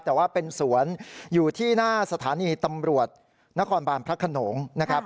แต่ว่าเป็นสวนอยู่ที่หน้าสถานีตำรวจนครบานพระขนงนะครับ